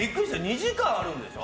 ２時間あるんでしょ。